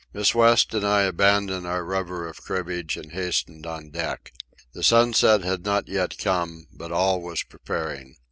Miss West and I abandoned our rubber of cribbage and hastened on deck. The sunset had not yet come, but all was preparing.